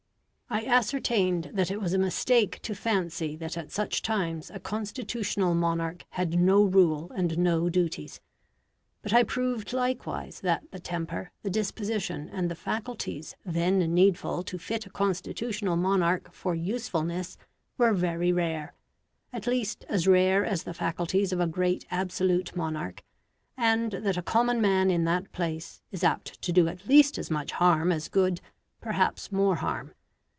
I ascertained that it was a mistake to fancy that at such times a constitutional monarch had no rule and no duties. But I proved likewise that the temper, the disposition, and the faculties then needful to fit a constitutional monarch for usefulness were very rare, at least as rare as the faculties of a great absolute monarch, and that a common man in that place is apt to do at least as much harm as good perhaps more harm.